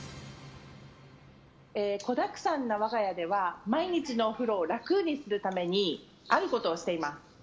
子だくさんな我が家では毎日のお風呂を楽にするためにあることをしています。